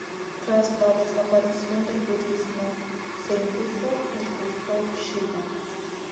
Tras la desaparición del budismo se impuso el culto a Shiva.